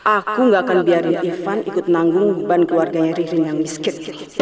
aku gak akan biarin ivan ikut nanggung beban keluarganya ririn yang miskin